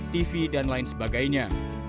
tv dan lain sebagainya